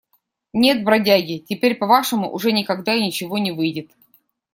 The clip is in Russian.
Нет, бродяги, теперь по-вашему уже никогда и ничего не выйдет.